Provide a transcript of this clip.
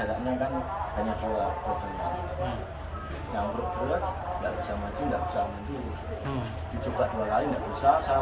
karena jaraknya kan banyak keluar